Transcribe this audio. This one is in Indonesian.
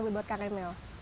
bu buat kak emel